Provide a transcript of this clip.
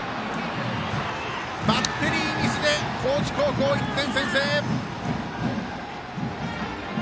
バッテリーミスで高知高校、１点先制！